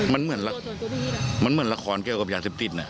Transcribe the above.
มันเหมือนมันเหมือนตัวโดยตัวพี่นะ